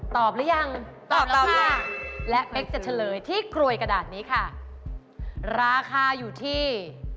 หรือยังตอบแล้วค่ะและเป๊กจะเฉลยที่กรวยกระดาษนี้ค่ะราคาอยู่ที่